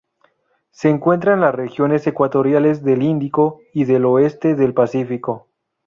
Se encuentra en las regiones ecuatoriales del Índico y del oeste del Pacífico.